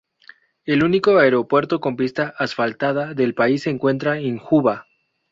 El único aeropuerto con pista asfaltada del país se encuentra en Juba.